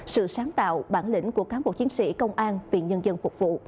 sự sáng tạo bản lĩnh của cán bộ chiến sĩ công an vì nhân dân phục vụ